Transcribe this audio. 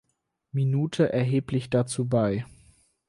Minute erheblich dazu bei.